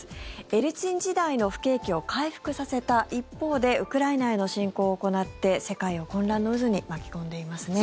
エリツィン時代の不景気を回復させた一方でウクライナへの侵攻を行って世界を混乱の渦に巻き込んでいますね。